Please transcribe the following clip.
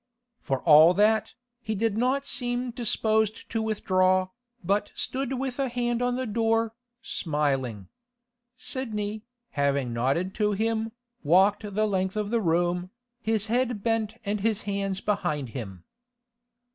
For all that, he did not seem disposed to withdraw, but stood with a hand on the door, smiling. Sidney, having nodded to him, walked the length of the room, his head bent and his hands behind him.